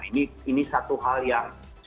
ini satu hal yang